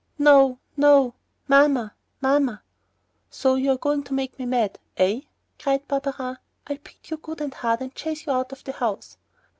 "No, no. Mamma! Mamma!" "So, you're going to make me mad, eh!" cried Barberin. "I'll beat you good and hard and chase you out of the house."